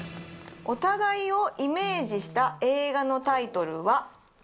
お互いをイメージした映画のタイトルは？